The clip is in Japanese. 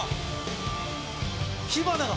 火花が。